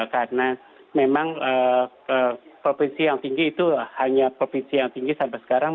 karena memang provinsi yang tinggi itu hanya provinsi yang tinggi sampai sekarang